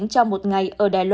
trong một ngày